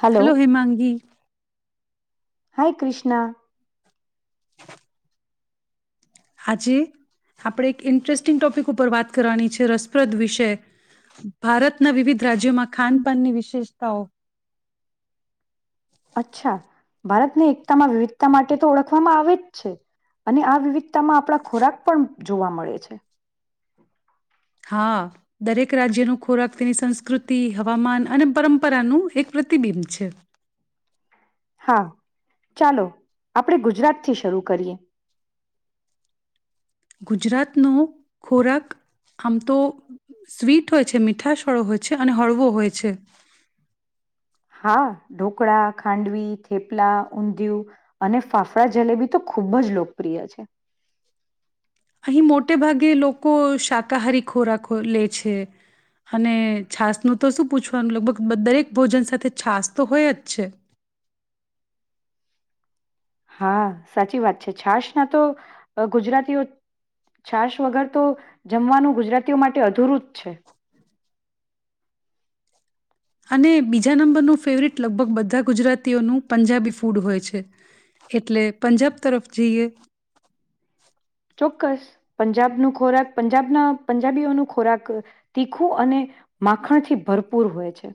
Hello hello Hemangi. Hi Krishna. આજે આપણે એક ઇન્ટરેસ્ટિંગ ટોપિક ઉપર વાત કરવાની છે રસપ્રદ વિશે, ભારતના વિવિધ રાજ્યોમાં ખાનપાનની વિશેષતાઓ. અચ્છા ભારતને એકતામાં વિવિધતા માટે તો ઓળખવામાં આવે જ છે, અને આ વિવિધતામાં આપણા ખોરાક પણ જોવા મળે છે. હા દરેક રાજ્યનું ખોરાક તેની સંસ્કૃતિ હવામાન અને પરંપરાનું એક પ્રતિબિંબ છે. હા ચાલો આપડે ગુજરાતથી શરૂ કરીએ. ગુજરાતનો ખોરાક આમ તો સ્વીટ હોય છે મીઠાશળો હોય છે અને હળવો હોય છે. હા, ઢોકળા, ખાંડવી, થેપલા, ઊંધિયું અને ફાફડા જલેબી તો ખુબ જ લોકપ્રિય છે. અહીં મોટે ભાગે લોકો શાકાહારી ખોરાક લે છે, અને છાસનું તો શું પૂછવાનું લગભગ દરેક ભોજન સાથે છાસ તો હોય જ છે. હા સાચી વાત છે છાશ ના તો, ગુજરાતીઓ છાશ વગર તો જમવાનું ગુજરાતીઓ માટે અધુર જ છે. અને બીજા નંબરનું ફેવરિટ લગભગ બધા ગુજરાતીઓનું પંજાબી ફૂડ હોય છે, એટલે પંજાબ તરફ જઈએ. ચોક્કસ પંજાબનું ખોરાક પંજાબના પંજાબીઓનું ખોરાક, તીખું અને માખણથી ભરપૂર હોય છે.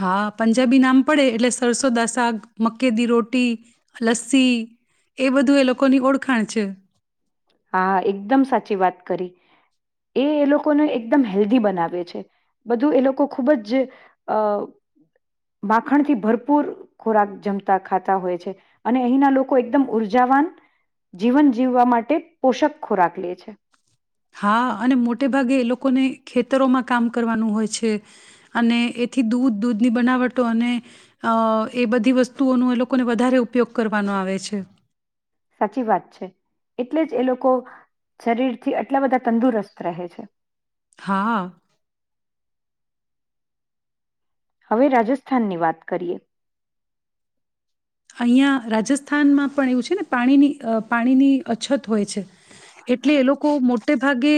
હા પંજાબી નામ પડે એટલે સરસોદા શક, મકેદી રોટી, લસ્સી એ બધું એ લોકોની ઓળખાણ છે. હા એકદમ સાચી વાત કરી, એ એ લોકોને એકદમ હેલ્ધી બનાવે છે, બધું એ લોકો ખૂબ જ અ માખણથી ભરપૂર ખોરાક જમતા ખાતા હોય છે, અને અહીંના લોકો એકદમ ઉઊર્જાવાન જીવન જીવવા માટે પોષક ખોરાક લે છે. હા અને મોટે ભાગે એ લોકોને ખેતરોમાં કામ કરવાનું હોય છે, અને એથી દૂધ દૂધની બનાવટો, અને એ બધી વસ્તુઓનો એ લોકોને વધારે ઉપયોગ કરવાનો આવે છે. સાચી વાત છે, એટલે જ એ લોકો શરીરથી આટલા બધા તંદુરસ્ત રહે છે. હા. હવે રાજસ્થાનની વાત કરીએ. અહિયાંયા રાજસ્થાનમાં પણ એવું છે ને પાણીની અ પાણીની અછત હોય છે, એટલે એ લોકો મોટે ભાગે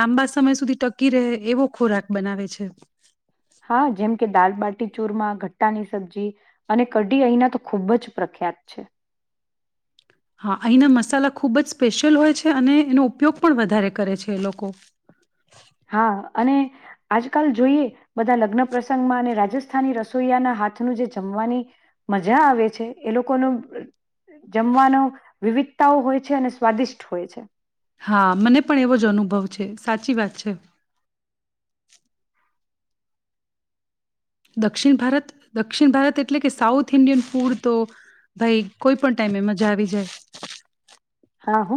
લાંબા સમય સુધી ટકી રહે એવો ખોરાક બનાવે છે. હા જેમ કે દાલબાટી ચૂરમા, ઘટ્ટાની સબ્જી અને કઢી અહીંના તો ખૂબ જ પ્રખ્યાત છે. હા અહીંના મસાલા ખૂબ જ સ્પેશિયલ હોય છે અને એનો ઉપયોગ પણ વધારે કરે છે એ લોકો. હા અને, આજકાલ જોઈએ બધા લગ્ન પ્રસંગમાં અને રાજસ્થાની રસોઈયાના હાથનું જે જમવાની, મજા આવે છે એ લોકોનું જમવાનો વિવિધતાઓ હોય છે અને સ્વાદિષ્ટ હોય છે. હા મને પણ એવો જ અનુભવ છે સાચી વાત છે દક્ષિણ ભારત દક્ષિણ ભારત એટલે કે સાઉથ ઇન્ડિયન ફૂડ તો ભાઈ કોઈ પણ ટાઈમ એ મજા આવી જાય હો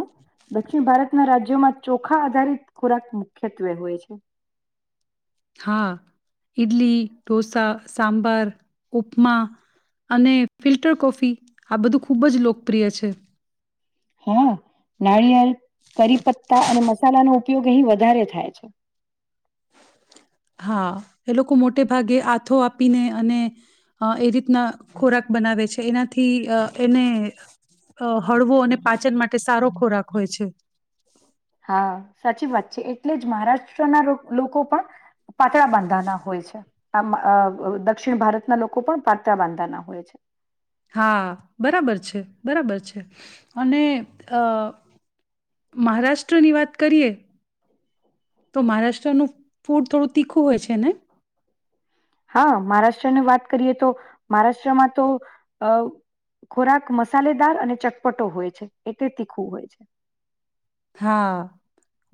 દક્ષિણ ભારતના રાજ્યોમાં ચોખા આધારિત ખોરાક મુખ્યત્વે હોય છે હા ઈડલી ઢોસા સાંબાર ઉપમા અને ફિલ્ટર કોફી આ બધું ખૂબ જ લોકપ્રિય છે હા નારિયેર કરી પત્તા અને મસાલાનોો ઉપયોગ અહી વધારે થાય છે હા એ લોકો મોટે ભાગે હાથો આપીને અને એ રીતના ખોરાક બનાવે છે એનાથી એને હળવો અને પાચન માટે સારો ખોરાક હોય છે હા સાચી વાત છે એટલે જ મહારાષ્ટ્રના લોકો પણ પાતળા બાંધાના હોય છે આ દક્ષિણ ભારતના લોકો પણ પાતળા બાંધાના હોય છે હા બરાબર છે બરાબર છે અને અ મહારાષ્ટ્રની વાત કરીએ તો મહારાષ્ટ્રનું ફૂડ થોડું તીખું હોય છે ને હા મહારાષ્ટ્રની વાત કરીએ તો મહારાષ્ટ્રમાં તો અ ખોરાક મસાલેદાર અને ચટપટો હોય છે એટલે તીખું હોય છે હા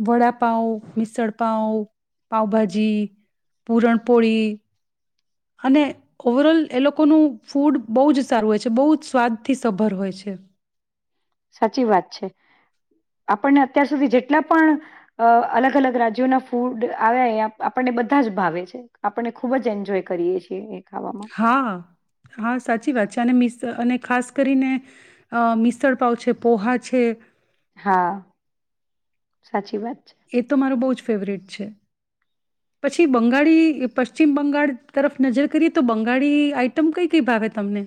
વડાપઉ મિસળ પાઉ પાઉભાજી પુરણપોળી અને ઓવરઓલ એ લોકોનું ફૂડ બહુ જ સારું હોય છે બહુ જ સ્વાદથી સભર હોય છે સાચી વાત છે આપણને અત્યાર સુધી જેટલા પણ અલગ અલગ રાજ્યોના ફૂડ આવ્યા એ આપણને બધા જ ભાવે છે આપણને ખૂબ જ એન્જોય કરીએ છીએ ખાવામાં હા હા સાચી વાત છે અને મિ અને ખાસ કરીને, મિસળપાવ છે પોહા છે. હા, સાચી વાત. છે એ તો મારો બહુ ફેવરેટ છે, પછી બંગાળી પશ્ચિમ બંગાળ તરફ નજર કરીએ તો બંગાળી આઈટમ કઈ કઈ ભાવે તમને?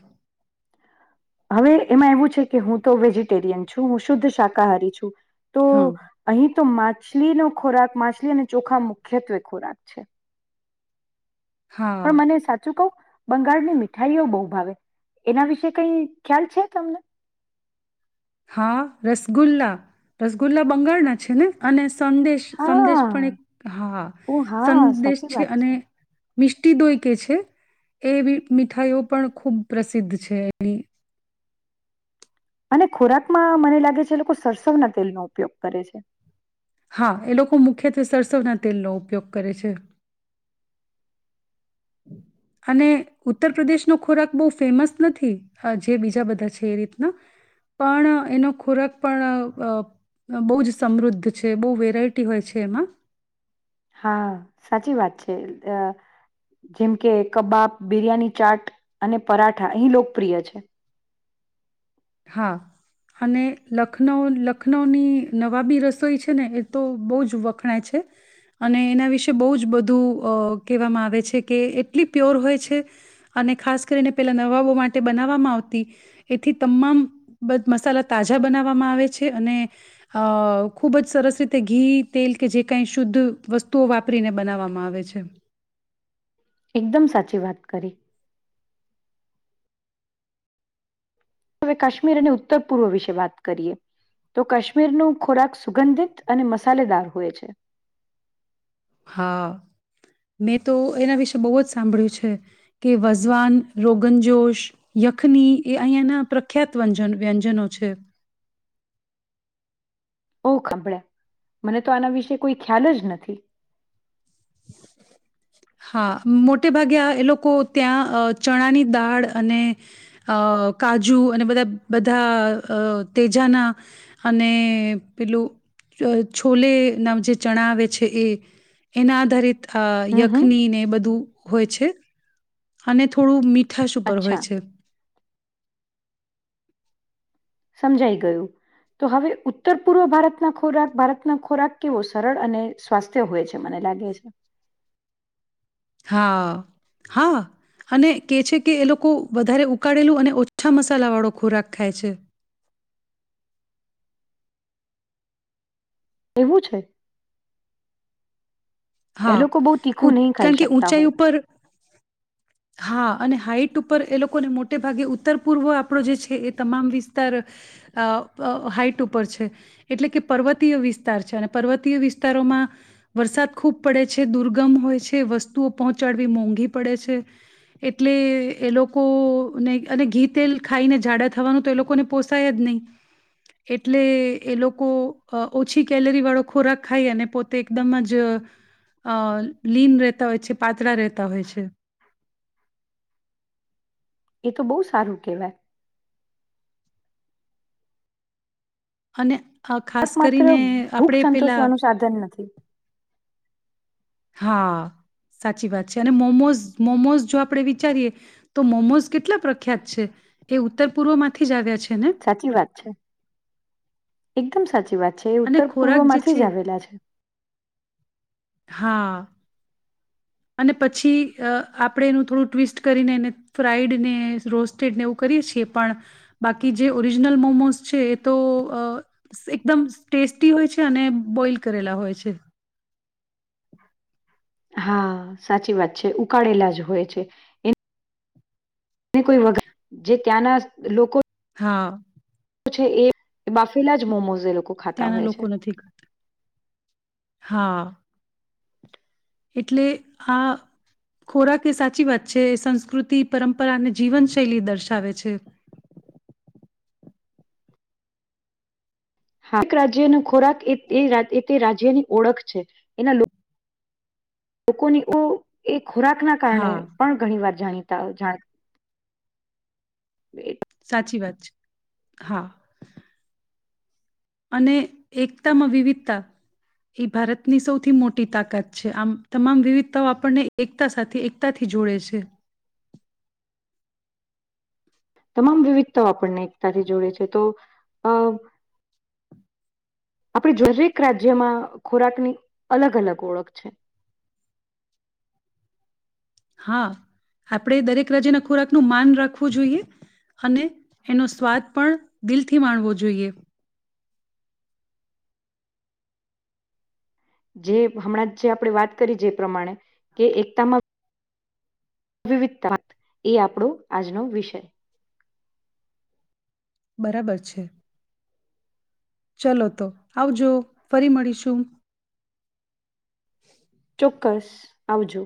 હવે એમાં એવું છે કે હું તો વેજીટેરિયન છું હું શુદ્ધ છ શાકાહારી છું, તો હા, અહી તો માછલીનો ખોરાક માછલી અને ચોખા મુખ્યત્વે ખોરાક છે. હા. પણ મને સાચું કવ બંગાળની મીઠાઈઓ બહુ ભાવે, એના વિશે કઈ ખ્યાલ છે તમને? હા રસગુલ્લા, રસગુલ્લા બંગાળના છે ને અને સંદેશ સંદેશ પણ હા એક હા, ઓ હા સંદેશ સાચી છે વાત અને મિસ્ટી દોય કે છે, એવી મીઠાઈઓ પણ ખૂબ પ્રસિદ્ધ છે એની. અને ખોરાકમાં મને લાગે છે એ લોકો સરસવના તેલનો ઉપયોગ કરે છે. હા એ લોકો મુખ્યત્વે સરસવના તેલનો ઉપયોગ કરે છે. અને ઉત્તર પ્રદેશનો ખોરાક બહુ ફેમસ નથી જે બીજા બધા છે એ રીતના, પણ એનો ખોરાક પણ બહુ જ સમૃદ્ધ છે બહુ વેરાયટી હોય છે એમાં. હા સાચી વાત છે, જેમ કે કબાબ બિરિયાની ચાટ અને પરાઠા અહી લોકપ્રિય છે. હા, અને લખનઉ લખનઉની નવાબી રસોઈ છે ને એ તો બહુ જ વખણાય છે, અને એના વિશે બહુ જ બધું કહેવામાં આવે છે કે એટલી પ્યોર હોય છે, અને ખાસ કરીને પેલા નવાબો માટે બનાવવામાં આવતી, એથી તમામ મસાલા તાજા બનાવવામાં આવે છે અને, ખૂબ જ સરસ રીતે ઘી તેલ કે જે કાંઈ શુદ્ધ વસ્તુઓ વાપરીને બનાવવામાં આવે છે. એકદમ સાચી વાત કરી. હવે કાશ્મીર અને ઉત્તર પૂર્વ વિશે વાત કરીએ, તો કાશ્મીરનો ખોરાક સુગંધિત અને મસાલેદાર હોય છે. હા, મેં તો એના વિશે બહુ જ સાંભળ્યું છે, કે વઝવાન રોગનજોશ યખની એ અહીંના પ્રખ્યાત વંજ વ્યંજનો છે. ઓ સાંભળ્યા મને તો આના વિશે કોઈ ખ્યાલ જ નથી. હા મોટે ભાગે એ લોકો ત્યાં ચણાની દાળ અને, અ કાજુ અને બધા બધા તેજાના, અને પેલું છોલે ના જે ચણા આવે છે, એ એના આધારિત હ હમ ય હમ બધું હોય છે, અને થોડું મીઠ મીઠશ ઉપર હોય અચ્છા છે. સમજાઈ ગયું, તો હવે ઉત્તર પૂર્વ ભારતના ખોરાક ભારતનો ખોરાક કેવો સરળ અને સ્વાસ્થ્ય હોય છે મને લાગે છે. હા, હા અને કે છે કે એ લોકો વધારે ઉકાળેલું અને ઓછા મસાલા વાળો ખોરાક ખાય છે. એવું છે? એ હા, લોકો બહુ તીખું નહીં ખાઈ કારણ કે શકતા ઊંચાઈ હોય ઉપર હા અને હાઈટ ઉપર એ લોકોને મોટે ભાગે ઉત્તર પૂર્વ આપણો જે છે એ તમામ વિસ્તાર અ અ હાઈટ ઉપર છે, એટલે કે પર્વતીય વિસ્તાર છે અને પર્વતીય વિસ્તારોમાં વરસાદ ખૂબ પડે છે, દુર્ગમ હોય છે, વસ્તુઓ પહોંચાડવી મોંઘી પડે છે. એટલે એ લોકોને અને ઘી તેલ ખાઈને જાડા થવાનું તો એ લોકોને પોસાય જ નહીં, એટલે એ લોકો ઓછી કેલરી વાળો ખોરાક ખાઈ અને પોતે એકદમ જ અ લીન રહેતા હોય છે, પાતળા રહેતા હોય છે. એ તો બહુ સારું કહેવાય. અને અ ખાસ કક માત્ર કરીને ભૂખ આપણે પેલા સંતોષવાનું સાધન નથી. હા સાચી વાત છે અને મોમોઝ મોમોઝ જો આપણે વિચારીએ, તો મોમોઝ કેટલા પ્રખ્યાત છે, એ ઉત્તર પૂર્વમાંથી જ આવ્યા છે. ને સાચી વાત છે. એકદમ સાચી વાત છે એ અને ઉત્તર પૂર્વ ખોરાક જે માંથી જ છે આવેલા છે. હા. અને પછી અ આપણે એનું થોડું ટ્વિસ્ટ કરીને એને ફ્રાઈડ ને, રોસ્ટેડ ને એવું કરીએ છીએ પણ બાકી જે ઓરિજનલ મોમોઝ છે એ તો અ એકદમ ટેસ્ટી હોય છે અને બોઈલ કરેલા હોય છે. હા સાચી વાત છે, ઉકાળેલા જ હોય છે એ કોઈ વગર જે ત્યાંના જ લોકો હા. છે એ બાફેલા જ મોમોઝ એ લોકો ખાતા ત્યાંના હોય લોકો છે. નથી કરતા. હા. એટલે આ ખોરાક એ સાચી વાત છે, એ સંસ્કૃતિ, પરંપરા અને જીવનશૈલી દર્શાવે છે. હ એક રાજ્યનો ખોરાક એ તે રાજ્યની ઓળખ છે એના લો લોકો ની ઉ એક ખોરાક ના કારણે હા પણ ઘણી વાર જાણી ત જાણ એ સાચી વાત છે હા અને એકતામાં વિવિધતા એ ભારતની સૌથી મોટી તાકાત છે આમ તમામ વિવિધતાઓ આપણને એકતા સાથે એકતાથી જોડે છે તમામ વિવિધતાઓ આપણને એકતાથી જોડે છે તો અ આપણી દરેક રાજ્યમાં ખોરાકની અલગ અલગ ઓળખ છે હા આપણે દરેક રાજાના ખોરાકનું માન રાખવું જોઈએ અને એનો સ્વાદ પણ દિલથી માણવો જોઈએ જે હમણાં જે આપણે વાત કરી જે એ પ્રમાણે કે એકતામાં વિવિધતા એ આપણો આજનો વિષય બરાબર છે ચલો તો આવજો ફરી મળીશું ચોક્કસ આવજો